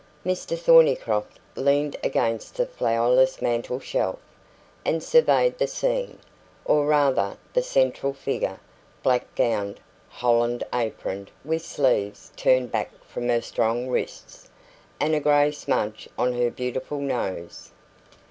Mr Thornycroft leaned against the flowerless mantel shelf, and surveyed the scene, or rather, the central figure, black gowned, holland aproned, with sleeves turned back from her strong wrists, and a grey smudge on her beautiful nose.